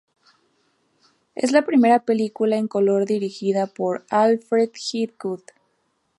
Es la primera película en color dirigida por Alfred Hitchcock.